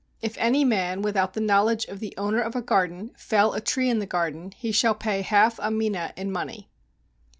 If any man, without the knowledge of the owner of a garden, fell a tree in a garden he shall pay half a mina in money.